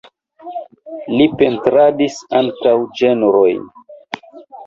Li pentradis ankaŭ ĝenrojn.